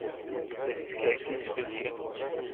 La teskerkis fell-i.